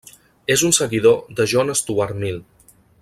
És un seguidor de John Stuart Mill.